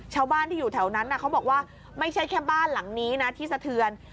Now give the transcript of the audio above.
ชาวบ้านที่อยู่แถวนั้นเขาบอกว่าไม่ใช่แค่บ้านหลังนี้นะที่สะเทือน